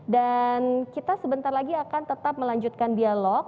dan kita sebentar lagi akan tetap melanjutkan dialog